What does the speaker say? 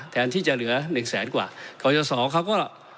แทนที่จะเหลือ๑แสนกว่าเกราะยอสรเขาก็